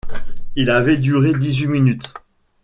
Il avait duré dix-huit minutes !